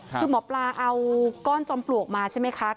คือหมอปลาเอาก้อนจอมปลวกมาใช่ไหมคะ